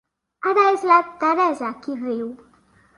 Ara és la Teresa qui riu.